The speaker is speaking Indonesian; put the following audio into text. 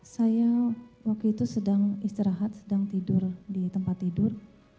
saya waktu itu sedang istirahat sedang tidur di tempat tidur